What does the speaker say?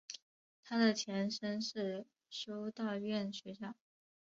它的前身是修道院学校。